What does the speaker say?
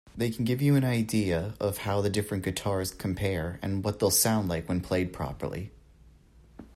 They can give you an idea of how the different guitars compare and what they'll sound like when played properly.